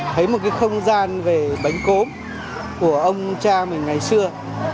thấy một cái không gian về bánh cốm của ông cha mình ngày xưa